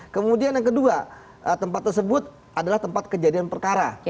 kemudian yang kedua tempat tersebut adalah tempat kejadian perkara